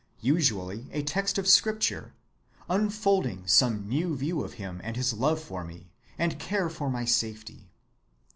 Usually a text of Scripture, unfolding some new view of him and his love for me, and care for my safety.